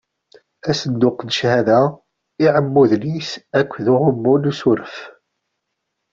Asenduq n cchada, iɛmuden-is akked uɣummu n usuref.